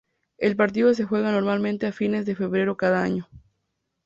El partido se juega normalmente a fines de febrero cada año.